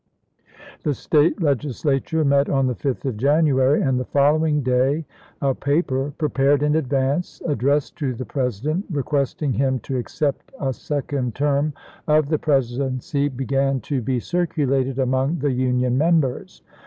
The State Legislature met on the 5th of January, and lse*. the following day a paper, prepared in advance, addressed to the President, requesting him to ac cept a second term of the Presidency, began to be circulated among the Union members.